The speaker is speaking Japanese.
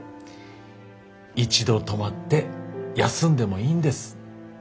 一度止まって休んでもいいんです。